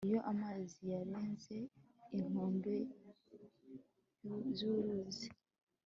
iyo amazi yarenze inkombe z'uruzi